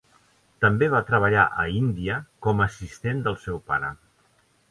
També va treballar a Índia com a assistent del seu pare.